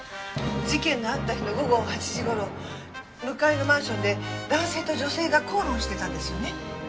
事件のあった日の午後８時頃向かいのマンションで男性と女性が口論してたんですよね？